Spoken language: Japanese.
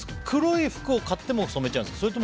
黒い服を買っても染めちゃうんですか？